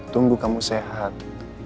tunggu kamu sehat